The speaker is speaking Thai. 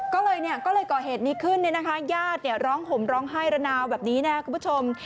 ก็เลยก่อเหตุนี้ขึ้นเนี่ยนะคะญาติร้องห่มร้องไห้ระนาวแบบนี้นะครับคุณผู้ชม